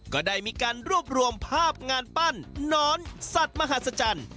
ก็ได้มีการรวบรวมภาพงานปั้นน้อนสัตว์มหาศจรรย์